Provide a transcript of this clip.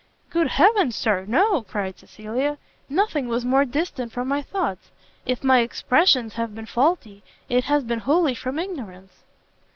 "Good Heaven, Sir; no!" cried Cecilia, "nothing was more distant from my thoughts: if my expressions have been faulty, it has been wholly from ignorance."